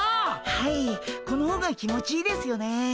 はいこの方が気持ちいいですよね。